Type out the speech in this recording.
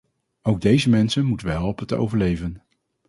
Ook deze mensen moeten we helpen te overleven.